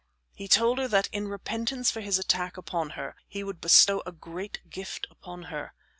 He told her that in repentance for his attack upon her he would bestow a great gift upon her.